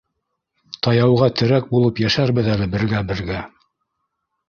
Таяуға терәк булып йәшәрбеҙ әле бергә-бергә...